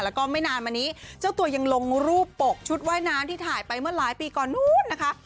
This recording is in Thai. แล้วก็ไม่นานมานี้เจ้าตัวยังลงรูปปกชุดว่ายน้ำที่ถ่ายไปเมื่อหลายปีก่อนนู้นนะคะ